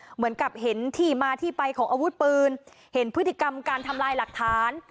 เหมือนกับเห็นที่มาที่ไปของอาวุธปืนเห็นพฤติกรรมการทำลายหลักฐาน